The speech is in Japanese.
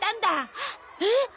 えっ？